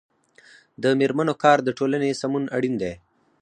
د میرمنو کار د ټولنې سمون اړین دی.